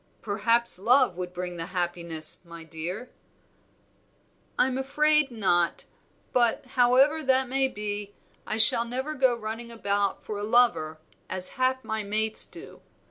"Perhaps love would bring the happiness, my dear?" "I'm afraid not; but, however that may be, I shall never go running about for a lover as half my mates do.